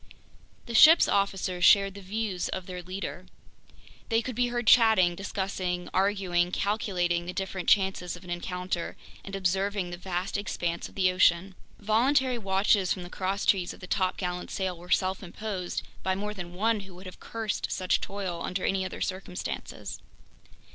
The ship's officers shared the views of their leader. They could be heard chatting, discussing, arguing, calculating the different chances of an encounter, and observing the vast expanse of the ocean. Voluntary watches from the crosstrees of the topgallant sail were self imposed by more than one who would have cursed such toil under any other circumstances.